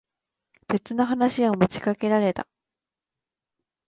別の話を持ちかけられた。